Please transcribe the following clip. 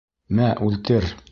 — Мә, үлтер.